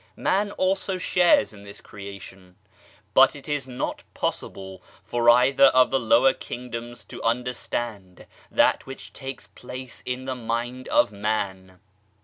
Man also shares in this creation ; but it is not possible for either of the lower kingdoms to understand that which takes place in the mind of man.